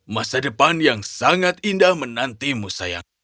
masa depan yang sangat indah menantimu sayang